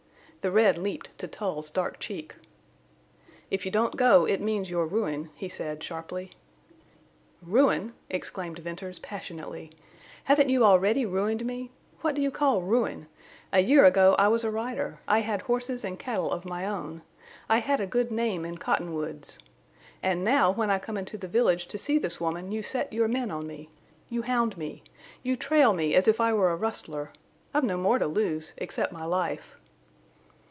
The red leaped to Tull's dark cheek. "If you don't go it means your ruin," he said, sharply. "Ruin!" exclaimed Venters, passionately. "Haven't you already ruined me? What do you call ruin? A year ago I was a rider. I had horses and cattle of my own. I had a good name in Cottonwoods. And now when I come into the village to see this woman you set your men on me. You hound me. You trail me as if I were a rustler. I've no more to lose—except my life."